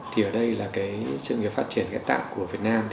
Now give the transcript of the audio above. thì ở đây là cái sự nghiệp phát triển ghép tạng của việt nam